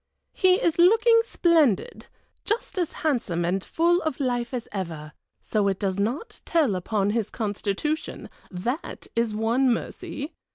He is looking splendid, just as handsome and full of life as ever, so it does not tell upon his constitution, that is one mercy!